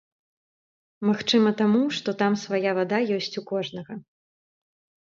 Магчыма, таму, што там свая вада ёсць у кожнага.